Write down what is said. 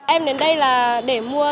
em đến đây là để mua